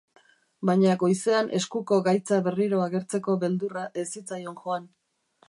Baina goizean eskuko gaitza berriro agertzeko beldurra ez zitzaion joan.